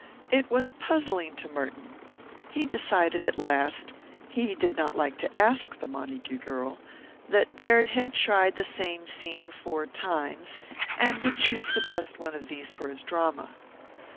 It was puzzling to Merton. He decided at last he did not like to ask the Montague girl that Baird had tried the same scene four times, and would choose the best of these for his drama.